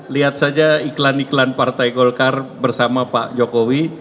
lihat saja iklan iklan partai golkar bersama pak jokowi